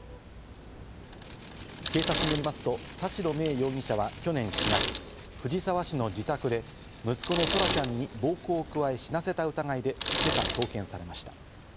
警察によりますと田代芽衣容疑者は去年４月、藤沢市の自宅で息子の空来ちゃんに暴行を加え、死なせた傷害致死の疑いで今朝送検されました。